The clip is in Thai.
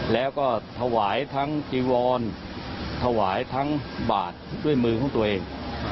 แล้วก็ถวายทั้งจีวรถวายทั้งบาทด้วยมือของตัวเอง